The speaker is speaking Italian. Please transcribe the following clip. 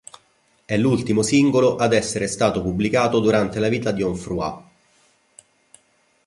È l'ultimo singolo ad esser stato pubblicato durante la vita di Onfroy.